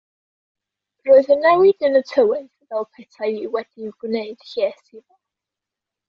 Roedd y newid yn y tywydd fel petai wedi gwneud lles iddo.